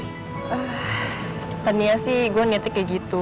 eh tadinya sih gue negetik kayak gitu